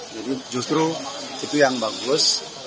jadi justru itu yang bagus